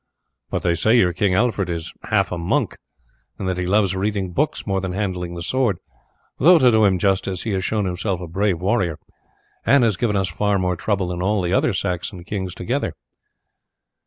"But they say your King Alfred is half a monk, and that he loves reading books more than handling the sword, though, to do him justice, he has shown himself a brave warrior, and has given us far more trouble than all the other Saxon kings together."